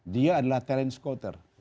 dia adalah talent scouter